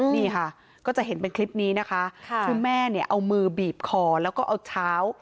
นี่ค่ะก็จะเห็นเป็นคลิปนี้นะคะคือแม่เนี่ยเอามือบีบคอแล้วก็เอาเช้า